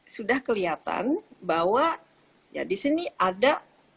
sudah kelihatan bahwa ya di sini ada